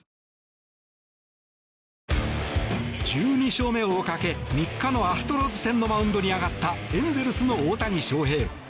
１２勝目をかけ３日のアストロズ戦のマウンドに上がったエンゼルスの大谷翔平。